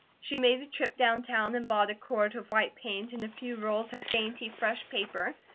She made a trip downtown and bought a quart of white paint and a few rolls of dainty, fresh paper.